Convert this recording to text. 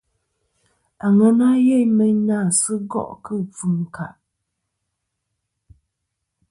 Aŋena yeyn mɨ na sɨ gòˈ kɨ ɨkfɨm ɨ ɨ̀nkàˈ.